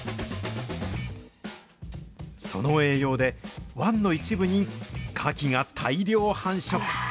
その栄養で、湾の一部にカキが大量繁殖。